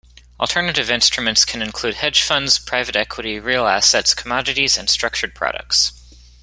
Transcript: Alternative investments can include hedge funds, private equity, real assets, commodities, and structured products.